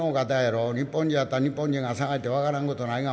日本人やったら日本人が捜して分からんことないが。